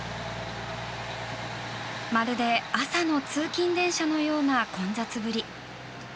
まるで朝の通勤電車のような混雑ぶり。